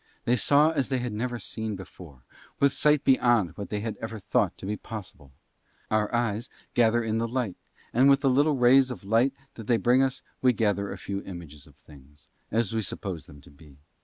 They saw as they had never seen before, with sight beyond what they had ever thought to be possible. Our eyes gather in light, and with the little rays of light that they bring us we gather a few images of things as we suppose them to be.